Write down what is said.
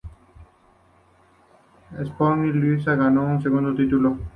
Sporting de Lisboa ganó su segundo título.